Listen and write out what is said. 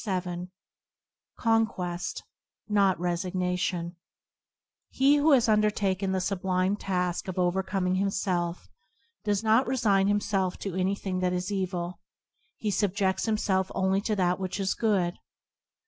[ 52 ] Conquest: Jftot Resignation HE who has undertaken the sublime task of overcoming himself, does not resign himself to anything that is evil; he subjeds himself only to that which is good.